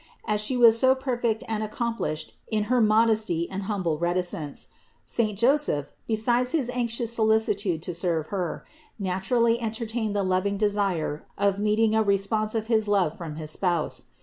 As She was so per fect and accomplished in her modesty and humble reticence, saint Joseph, besides his anxious solicitude to serve Her, naturally entertained the loving desire of meeting a response of his love from his Spouse.